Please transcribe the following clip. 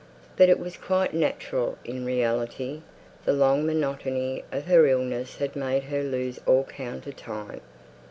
But it was quite natural in reality; the long monotony of her illness had made her lose all count of time.